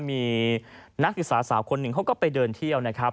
มีนักศึกษาสาวคนหนึ่งเขาก็ไปเดินเที่ยวนะครับ